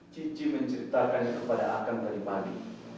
cici menceritakannya kepada akan tadi pagi